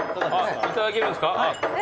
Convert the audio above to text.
いただけるんですか？